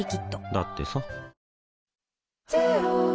だってさ